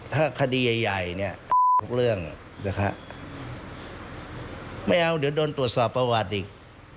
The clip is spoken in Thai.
ถ้าคดีใหญ่เนี่ยทุกเรื่องนะครับไม่เอาเดี๋ยวโดนตรวจสอบประวัติอีก